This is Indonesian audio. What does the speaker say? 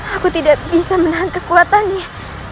aku tidak bisa menahan kekuatannya